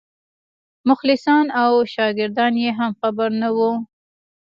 مخلصان او شاګردان یې هم خبر نه وو.